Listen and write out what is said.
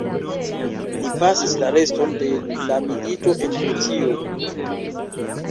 Li pasis la reston de la milito en Britio.